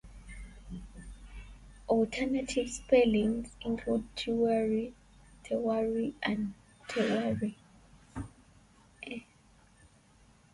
Alternative spellings include Tiwary, Tewari and Tewary.